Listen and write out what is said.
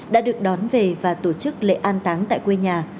đã được đón về và tổ chức lễ an táng tại quê nhà